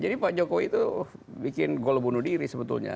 jadi pak jokowi itu bikin gol bunuh diri sebetulnya